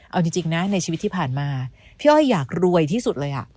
เอาจริงนะในชีวิตที่ผ่านมาพี่อ้อยอยากรวยที่สุดเลย